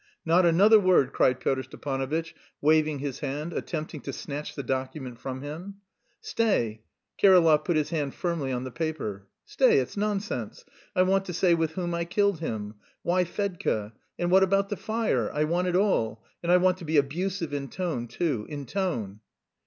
"Not another word," cried Pyotr Stepanovitch, waving his hand, attempting to snatch the document from him. "Stay." Kirillov put his hand firmly on the paper. "Stay, it's nonsense! I want to say with whom I killed him. Why Fedka? And what about the fire? I want it all and I want to be abusive in tone, too, in tone!"